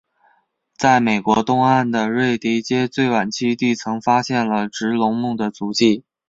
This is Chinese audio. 在美国东岸的瑞提阶最晚期地层发现了植龙目的足迹。